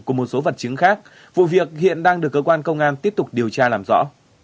cùng một số vật chứng khác vụ việc hiện đang được cơ quan công an tiếp tục điều tra làm rõ